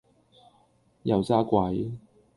油炸鬼